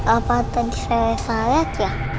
apa tadi saya lihat ya